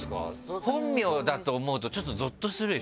本名だと思うとちょっとゾっとするでしょ？